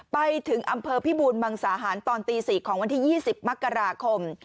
ไปถึงอำเภอพิบูรมังสาหารตอนตี๔ของวันที่๒๐มกราคม